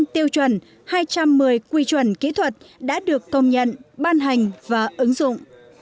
tám trăm linh tiêu chuẩn hai trăm một mươi quy chuẩn kỹ thuật đã được công nhận ban hành và ứng dụng